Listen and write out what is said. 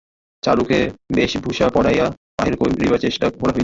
চারুকে বেশভূষা পরাইয়া বাহির করিবার চেষ্টা করা হইল।